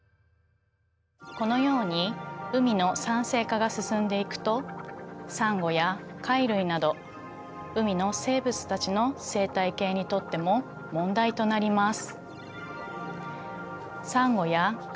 このように海の酸性化がすすんでいくとサンゴや貝類など海の生物たちの生態系にとっても問題となります。